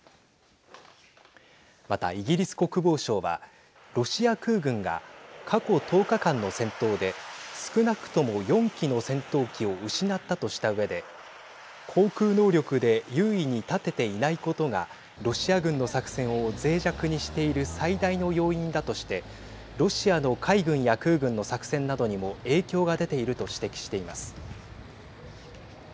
また、イギリス国防省はロシア空軍が過去１０日間の戦闘で少なくとも４機の戦闘機を失ったとしたうえで航空能力で優位に立てていないことがロシア軍の作戦をぜい弱にしている最大の要因だとしてロシアの海軍や空軍の作戦などにも影響が出ていると指摘しています。